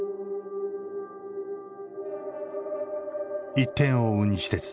１点を追う西鉄